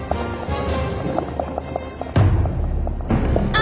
あ！